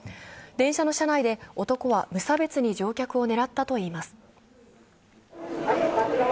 電車の車内で男は無差別に乗客を狙ったといいます。